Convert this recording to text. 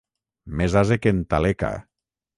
Més ase que en Taleca.